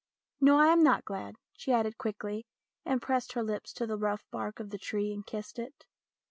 "No, I am not glad," she added quickly, and pressed her lips to the rough bark of the tree and kissed it.